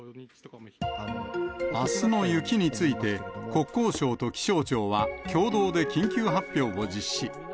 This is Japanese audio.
あすの雪について、国交省と気象庁は、共同で緊急発表を実施。